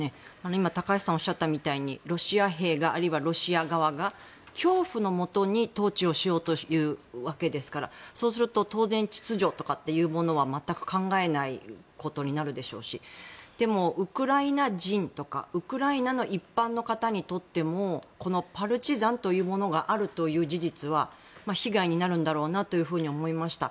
今、高橋さんがおっしゃったようにロシア兵があるいはロシア側が恐怖のもとに統治をしようということですからそうすると当然秩序というものは全く考えないことになるでしょうしでも、ウクライナ人とかウクライナの一般の方にとってもこのパルチザンというものがあるという事実は被害になるんだろうなと思いました。